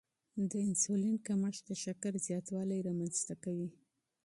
د انسولین کمښت د شکر زیاتوالی رامنځته کوي.